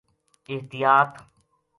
احتیاط